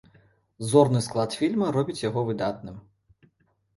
Зорны склад фільма робіць яго выдатным.